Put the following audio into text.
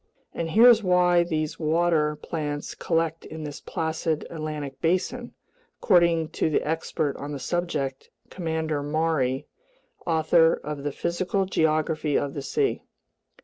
And here's why these water plants collect in this placid Atlantic basin, according to the expert on the subject, Commander Maury, author of The Physical Geography of the Sea.